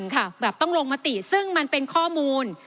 แบบต้องลงมติซึ่งมันเป็นข้อมูล